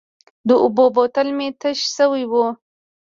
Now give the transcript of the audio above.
د اوبو بوتل مې تش شوی و.